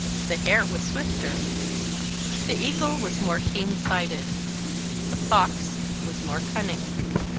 The hare was swifter. The eagle was more keen sighted. The fox was more cunning.